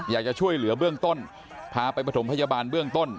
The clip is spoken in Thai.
อยากจะช่วยเหลือเบื้องต้นพาไปประถมพยาบาลเบื้องต้น